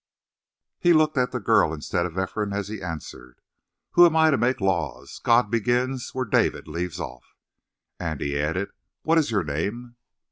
He looked at the girl instead of Ephraim as he answered: "Who am I to make laws? God begins where David leaves off." And he added: "What is your name?"